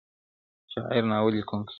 شاعر، ناول لیکونکی -